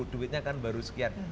duitnya kan baru sekian